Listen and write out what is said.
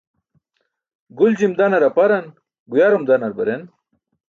Guljim danar aparan, guyarum danar baren.